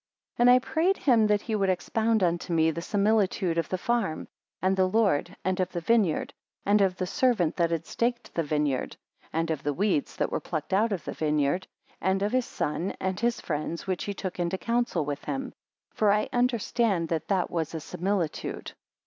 35 And I prayed him that he would expound unto me the similitude of the farm, and the Lord, and of the vineyard, and of the servant that had staked the vineyard; and of the weeds that were plucked out of the vineyard; and of his son and his friends which he took into counsel with him; for I understand that that was a similitude.